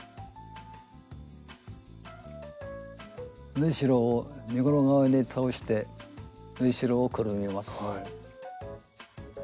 縫いしろを身ごろ側に倒して縫いしろをくるみます。